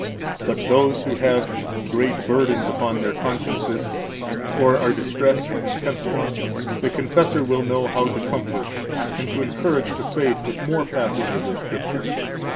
But those who have great burdens upon their consciences, or are distressed and tempted, the confessor will know how to comfort and to encourage to faith with more passages of Scripture.